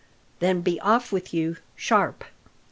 "Then be off with you, sharp!"